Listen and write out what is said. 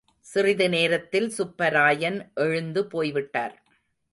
சிறிதுநேரத்தில் சுப்பராயன் எழுந்து போய்விட்டார்.